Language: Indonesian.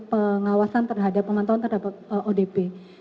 pengawasan terhadap pemantauan terhadap odp